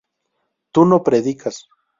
tu no predicas